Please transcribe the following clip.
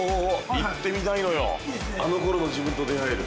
行ってみたいのよ、「あの頃の自分」と出会える。